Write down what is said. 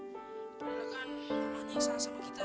padahal kan rumahnya yang salah sama kita